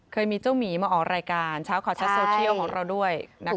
เคยมีเจ้าหมีมาออกรายการเช้าข่าวชัดโซเชียลของเราด้วย